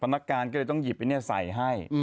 ภาทการก็เลยต้องหยิบไอเนี่ยใส่ให้